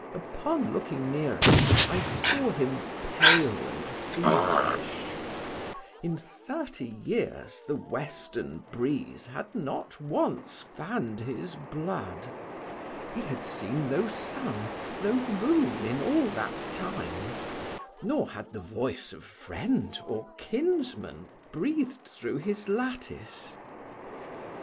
Upon looking nearer I saw him pale and feverish: in thirty years the western breeze had not once fann'd his blood;—he had seen no sun, no moon, in all that time—nor had the voice of friend or kinsman breathed through his lattice.